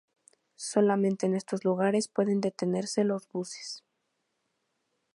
Solamente en estos lugares pueden detenerse los buses.